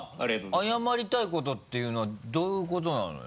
謝りたいことっていうのはどういうことなのよ？